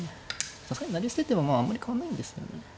さすがに成り捨ててもまああんまり変わんないんですよね。